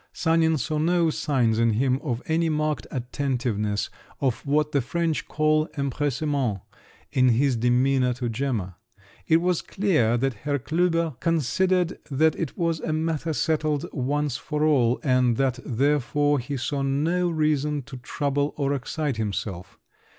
Sanin saw no signs in him of any marked attentiveness, of what the French call "empressement," in his demeanour to Gemma. It was clear that Herr Klüber considered that it was a matter settled once for all, and that therefore he saw no reason to trouble or excite himself.